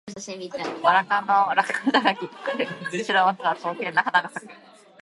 ばら科の落葉高木。春、白または薄紅の花が咲く。